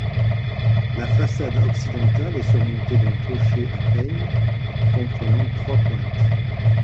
La façade occidentale est surmontée d'un clocher à peigne comprenant trois pointes.